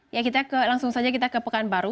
ya kita langsung saja kita ke pekan baru